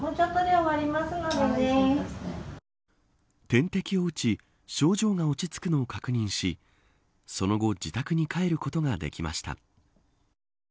点滴を打ち症状が落ち着くのを確認しその後自宅に帰ることができました。